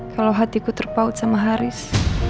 kalau hatiku terpaut sama haris